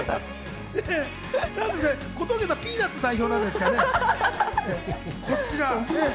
小峠さん、ピーナッツ代表なんですかね？